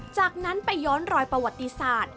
จากนั้นไปย้อนรอยประวัติศาสตร์